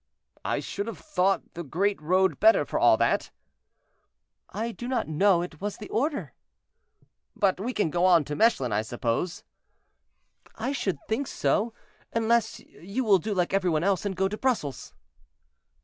"I should have thought the great road better for all that." "I do not know; it was the order." "But we can go on to Mechlin, I suppose?" "I should think so, unless you will do like every one else, and go to Brussels."